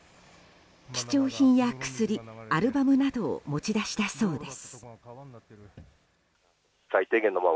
貴重品や薬、アルバムなどを持ち出したそうです。